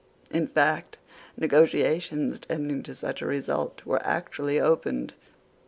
In fact, negotiations tending to such a result were actually opened.